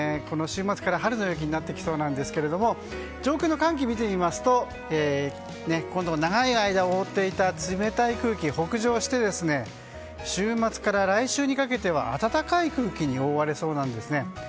この週末から春の陽気になってきそうなんですが上空の寒気見ていきますとこの長い間、覆っていた冷たい空気が北上して週末から来週にかけては暖かい空気に覆われそうなんですね。